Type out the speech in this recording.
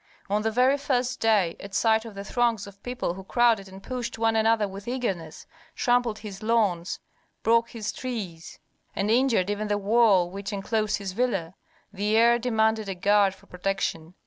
On the very first day, at sight of the throngs of people, who crowded and pushed one another with eagerness, trampled his lawns, broke his trees, and injured even the wall which enclosed his villa, the heir demanded a guard for protection.